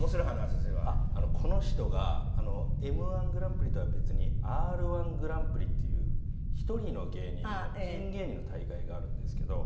この人がＭ−１グランプリとは別にＲ−１グランプリっていう１人の芸人のピン芸人の大会があるんですけど。